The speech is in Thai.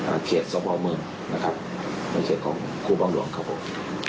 เขตสพเมืองนะครับในเขตของครูบังหลวงครับผม